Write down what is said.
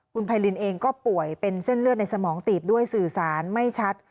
คุณไพรินเองก็ป่วยเป็นเส้นเลือดในสมองตีบด้วยสื่อสารไม่ชัด